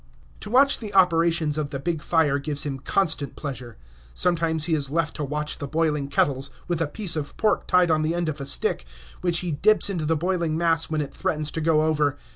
To watch the operations of the big fire gives him constant pleasure. Sometimes he is left to watch the boiling kettles, with a piece of pork tied on the end of a stick, which he dips into the boiling mass when it threatens to go over.